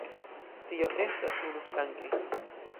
Tio estas unuflanke.